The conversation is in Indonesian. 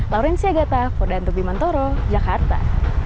lauren siagata ford antopi mantoro jakarta